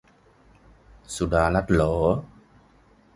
สุดารัตน์เหรอ